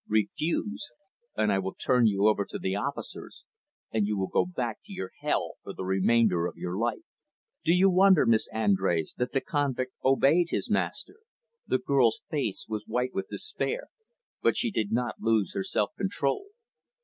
Refuse, and I will turn you over to the officers, and you will go back to your hell for the remainder of your life.' "Do you wonder, Miss Andrés, that the convict obeyed his master?" The girl's face was white with despair, but she did not lose her self control.